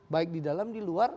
baik di dalam di luar